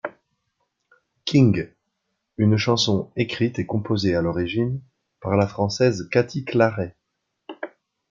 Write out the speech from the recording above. King, une chanson écrite et composée à l'origine par la française Cathy Claret.